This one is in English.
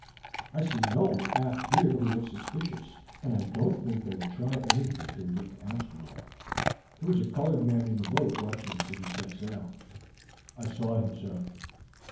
"I see no one aft here who looks suspicious, and I don't think they will try anything till we get to Amsterdam. There was a colored man in a boat watching us as we set sail." "I saw him, sir.